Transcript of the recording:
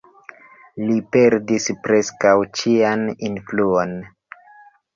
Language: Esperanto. Li perdis preskaŭ ĉian influon.